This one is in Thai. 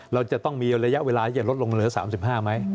เราจะต้องมีระยะเวลาที่จะลดลงเหลือ๓๕ไหม